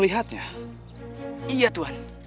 dari hubungan ibu ibu